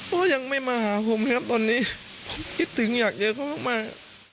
เพราะยังไม่มาหาผมครับตอนนี้ผมคิดถึงอยากเจอเขามาก